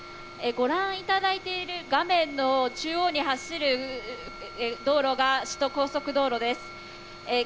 ご覧いただいている画面の中央に走る道路が首都高速道路です。